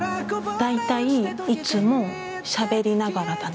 大体、いつもしゃべりながらだね。